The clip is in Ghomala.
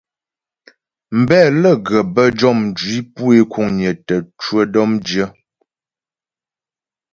Mbɛ lə́ ghə bə́ jɔ mjwǐ pu é kuŋnyə tə cwə dɔ̌mdyə.